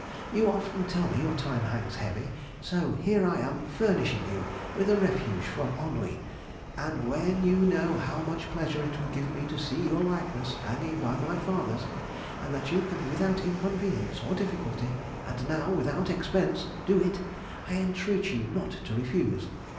You often tell me your time hangs heavy, so here I am furnishing you with a refuge from ennui, and when you know how much pleasure it will give me to see your likeness hanging by my father's, and that you can without inconvenience or difficulty (and now without expense) do it, I entreat you not to refuse.